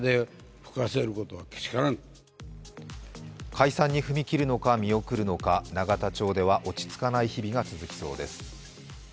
解散に踏み切るのか見送るのか永田町では落ち着かない日々が続きそうです。